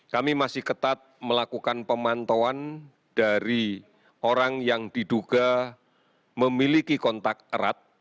kami masih ketat melakukan pemantauan dari orang yang diduga memiliki kontak erat